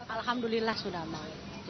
alhamdulillah sudah aman